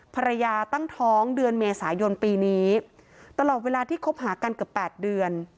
ตั้งท้องเดือนเมษายนปีนี้ตลอดเวลาที่คบหากันเกือบ๘เดือน